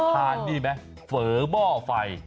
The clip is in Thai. ทานนี่ไหมเฝอหม้อไฟ